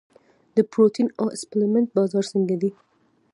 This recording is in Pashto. د پروټین او سپلیمنټ بازار څنګه دی؟